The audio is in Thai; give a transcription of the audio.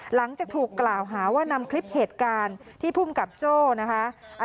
หลังจากถูกกล่าวหาว่านำคลิปเหตุการณ์ที่ภูมิกับโจ้นะคะ